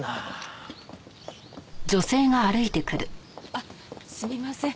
あっすみません。